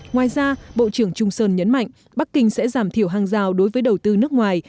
ngoài ra bộ trưởng trung sơn nhấn mạnh bắc kinh sẽ giảm thiểu hàng rào đối với đầu tư nước ngoài